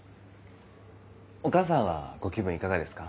お母さんはご気分いかがですか？